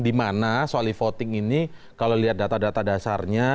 di mana soal voting ini kalau lihat data data dasarnya